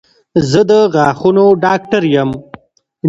زه د غاښونو ډاکټر یم